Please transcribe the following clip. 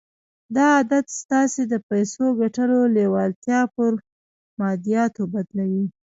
دا عادت ستاسې د پيسو ګټلو لېوالتیا پر ماديياتو بدلوي.